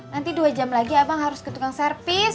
nanti dua jam lagi abang harus ke tukang servis